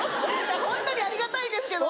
ホントにありがたいんですけど。